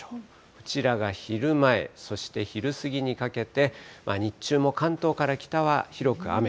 こちらが昼前、そして昼過ぎにかけて、日中も関東から北は広く雨。